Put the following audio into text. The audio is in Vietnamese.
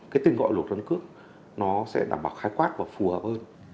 cái tên gọi luật căn cước nó sẽ đảm bảo khai quát và phù hợp hơn